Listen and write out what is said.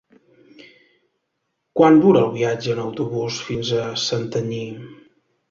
Quant dura el viatge en autobús fins a Santanyí?